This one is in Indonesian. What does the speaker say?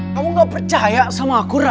kamu gak percaya sama aku ra